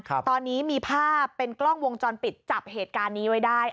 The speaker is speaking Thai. ตอนนี้มีภาพเป็นกล้องวงจรปิดจับเหตุการณ์นี้ไว้ได้